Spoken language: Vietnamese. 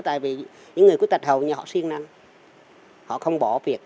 tại vì những người khuyết tật hầu như họ siêng năng họ không bỏ việc